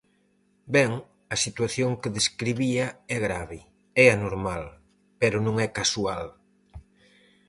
Ben, a situación que describía é grave, é anormal, pero non é casual.